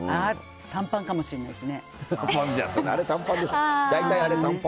短パンかもしれないしね。